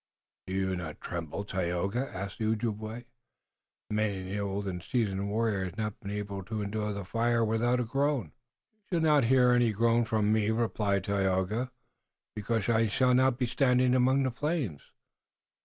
"Do you not tremble, Tayoga?" asked the Ojibway. "Many an old and seasoned warrior has not been able to endure the fire without a groan." "You shall not hear any groan from me," replied Tayoga, "because I shall not stand among the flames."